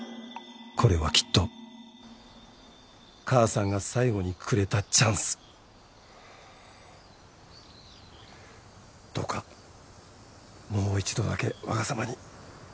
これはきっと母さんが最後にくれたチャンスどうかもう一度だけわが様に。